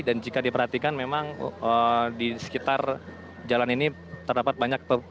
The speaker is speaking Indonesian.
dan jika diperhatikan memang di sekitar jalan ini terdapat banyak perbukitan